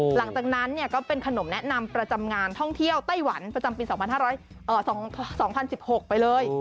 หลังจากนั้นก็เป็นขนมแนะนำประจำงานท่องเที่ยวไต้หวันประจำปี๒๐๑๖ไปเลย